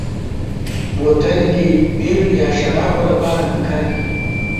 بوتل د بیر یا شرابو لپاره هم کارېږي.